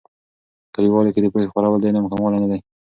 کلیوالو کې د پوهې خپرول، د علم کموالی نه دي.